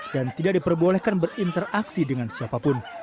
dan tidak diperbolehkan berinteraksi dengan siapapun